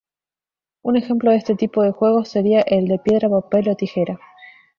Un ejemplo de este tipo de juegos sería el de Piedra, papel o tijera.